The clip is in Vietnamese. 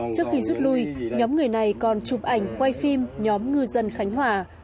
trước khi rút lui nhóm người này còn chụp ảnh quay phim nhóm ngư dân khánh hòa